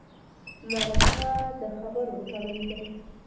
مرکه د خبرو تړون دی.